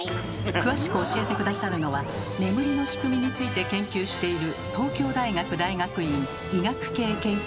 詳しく教えて下さるのは眠りのしくみについて研究している